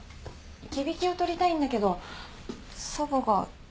忌引を取りたいんだけど祖母が。